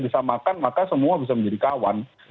disamakan maka semua bisa menjadi kawan